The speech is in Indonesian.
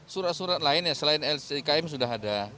surat surat lain ya selain sikm sudah ada